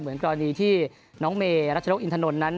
เหมือนเกราะนี่ที่น้องเมรัชโนกอินทนนนั้น